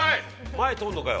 前通るのかよ。